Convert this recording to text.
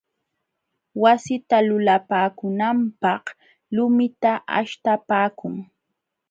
Wasita lulapaakunanpaq lumita aśhtapaakun.